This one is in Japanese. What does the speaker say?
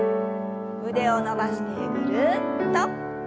腕を伸ばしてぐるっと。